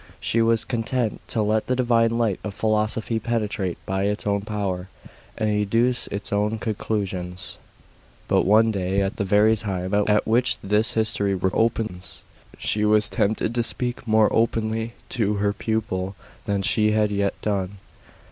She was content to let the divine light of philosophy penetrate by its own power, and educe its own conclusions. But one day, at the very time at which this history reopens, she was tempted to speak more openly to her pupil than she yet had done.